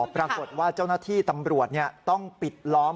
ปรากฏว่าเจ้าหน้าที่ตำรวจต้องปิดล้อม